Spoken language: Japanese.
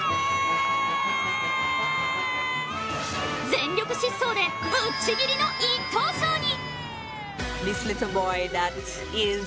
全力疾走でぶっちぎりの１等賞に！